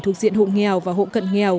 thuộc diện hộ nghèo và hộ cận nghèo